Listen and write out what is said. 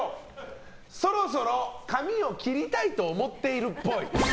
そろそろ髪を切りたいと思っているっぽい。